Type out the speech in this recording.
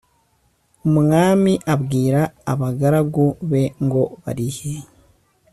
Umwami abwira abagaragu be ngo barihe